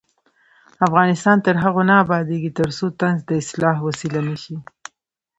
افغانستان تر هغو نه ابادیږي، ترڅو طنز د اصلاح وسیله نشي.